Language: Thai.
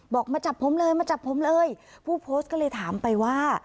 มาจับผมเลยมาจับผมเลยผู้โพสต์ก็เลยถามไปว่า